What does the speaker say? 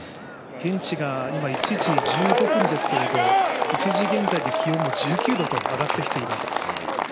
現地が今、１時１５分ですけれども、１時現在で気温が１９度と上がってきています。